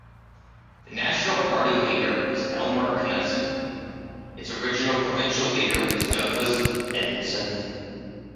The national party leader was Elmer Knutson; its original provincial leader was Douglas Edmondson.